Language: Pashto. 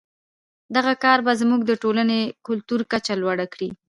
دغه کار به زموږ د ټولنې کلتوري کچه لوړه کړي.